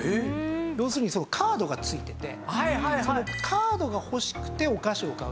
要するにカードが付いててそのカードが欲しくてお菓子を買う。